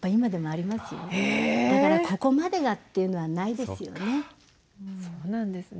だからここまでがっていうのはないですよね。